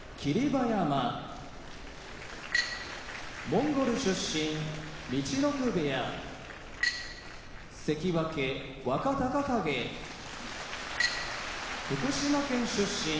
馬山モンゴル出身陸奥部屋関脇・若隆景福島県出身